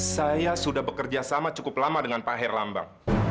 saya sudah bekerja sama cukup lama dengan pak herlambang